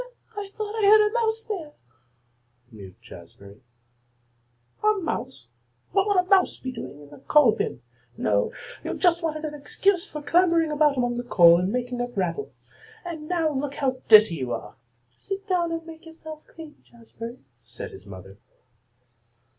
"Well, I thought I heard a mouse there," mewed Jazbury. "A mouse! What would a mouse be doing in the coal bin? No, you just wanted an excuse for clambering about among the coal and making it rattle. And now look how dirty you are." "Sit down and make yourself clean, Jazbury," said his mother.